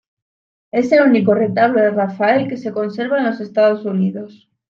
Es el único retablo de Rafael que se conserva en los Estados Unidos.